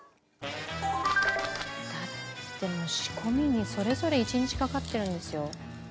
だって仕込みにそれぞれ１日かかってるんですよ。